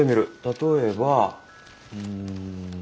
例えばうん。